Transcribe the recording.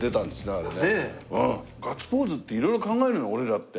ガッツポーズって色々考えるの俺らって。